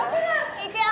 いくよ！